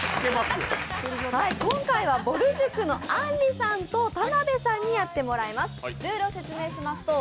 今回は、ぼる塾のあんりさんと田辺さんにやってもらいます。